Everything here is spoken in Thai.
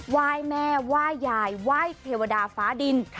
ว่ายแม่ว่ายยายว่ายเทวดาฟ้าดิน